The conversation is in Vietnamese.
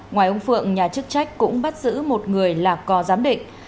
ngoài ông phượng nhà chức trách cũng bắt giữ một người lạc cò giám định